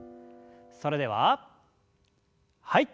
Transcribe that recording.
それでははい。